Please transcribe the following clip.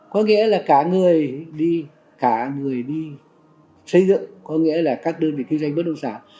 có nghĩa là cả người đi xây dựng có nghĩa là các đơn vị kinh doanh bất động sản